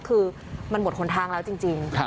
คือมันหมดหนทางแล้วจริง